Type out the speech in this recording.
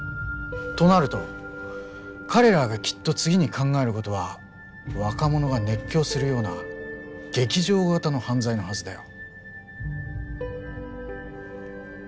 となると彼らがきっと次に考える事は若者が熱狂するような劇場型の犯罪のはずだよ。